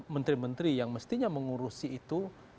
menteri menteri yang mestinya mengurusi itu